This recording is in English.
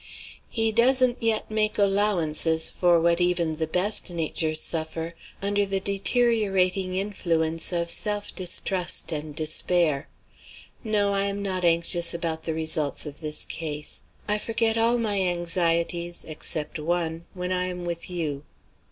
He doesn't yet make allowances for what even the best natures suffer, under the deteriorating influence of self distrust and despair. No, I am not anxious about the results of this case. I forget all my anxieties (except one) when I am with you."